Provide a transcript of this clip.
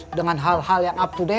saya haus dengan hal hal yang up to date